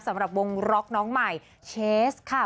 สำหรับวงล็อกน้องใหม่เชสค่ะ